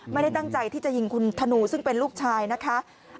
ไม่ได้ตั้งใจที่จะยิงคุณธนูซึ่งเป็นลูกชายนะคะ